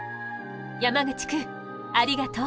山口くんありがとう。